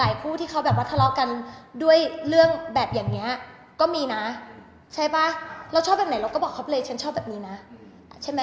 อย่างนี้ฉันชอบแบบนี้นะ